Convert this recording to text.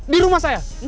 di rumah saya